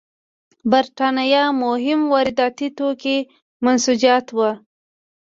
د برېټانیا مهم وارداتي توکي منسوجات وو.